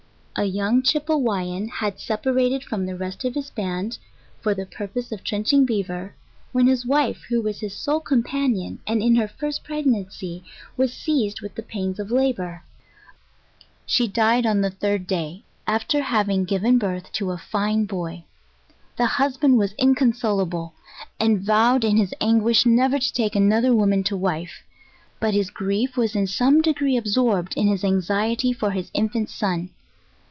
"A young Chipewyan had separated from the rest of his band, for the purpose of trenching beaver, when his wife, who was his sole companion, and in her first pregnan cy, was seized with the pains of lobour. She died oa the third day, after having given birth to a fine boy. The hus band was inconsolable, and vowed in his anguish never to take another woman to wife, but his grief was in some de gree absorbed in anxiety for his infant son.